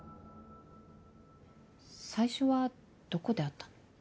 最初はどこで会ったの？